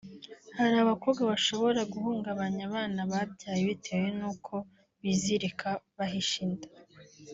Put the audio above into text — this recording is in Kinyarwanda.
Hari abakobwa bashobora guhungabanya abana babyaye bitewe n’uko bizirika bahisha inda